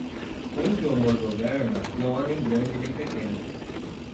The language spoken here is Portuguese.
Onde o amor governa, não há nem grande nem pequeno.